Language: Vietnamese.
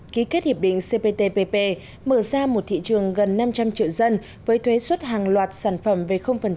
ký kết hiệp định cptpp mở ra một thị trường gần năm trăm linh triệu dân với thuế xuất hàng loạt sản phẩm về